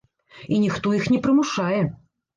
І ніхто іх не прымушае!